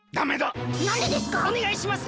おねがいします！